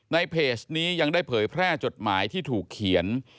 ในเพจนี้ยังได้เผยแพร่จดหมายที่ถูกเขียน